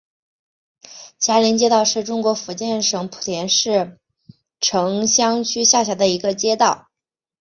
霞林街道是中国福建省莆田市城厢区下辖的一个街道。